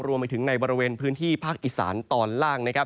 รวมไปถึงในบริเวณพื้นที่ภาคอิสรรค์ตอนล่าง